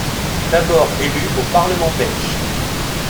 D'abord élu au Parlement belge.